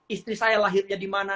istri saya lahirnya di mana